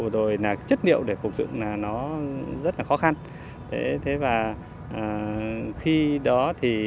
rồi trên cục sĩ sản làm thảo luận rất là sôi nổi